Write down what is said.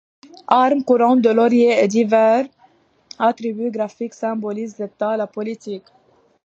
Armes, couronne de lauriers et divers attributs graphiques symbolisent l'État, la politique.